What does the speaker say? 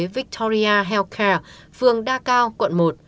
victoria healthcare phường đa cao quận một